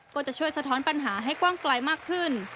ก็จะช่วยสะท้อนปัญหาให้กว้างไกลมากขึ้น